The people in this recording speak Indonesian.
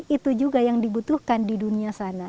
itu juga yang dibutuhkan di dunia sana